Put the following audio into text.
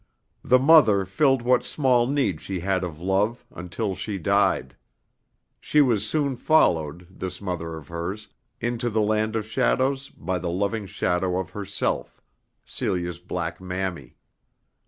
The mother filled what small need she had of love until she died. She was soon followed, this mother of hers, into the land of shadows by the loving shadow of herself, Celia's black Mammy.